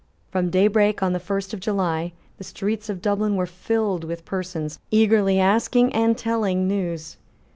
From daybreak on the first of July the streets of Dublin were filled with persons eagerly asking and telling news.